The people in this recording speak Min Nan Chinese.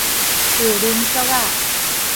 樹奶束仔